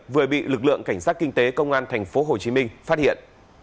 vừa bị lực lượng cảnh sát kinh tế công an tp hcm phát hiện